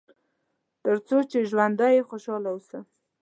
تر څو چې ژوندی یې خوشاله اوسه.